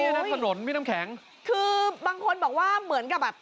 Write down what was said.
นี่นะถนนพี่น้ำแข็งคือบางคนบอกว่าเหมือนกับแบบ